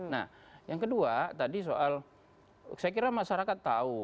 nah yang kedua tadi soal saya kira masyarakat tahu